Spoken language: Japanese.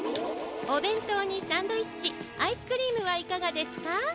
おべんとうにサンドイッチアイスクリームはいかがですか？